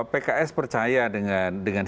pks percaya dengan